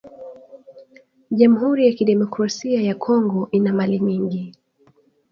Jamhuri ya ki democrasia ya kongo ina mali mingi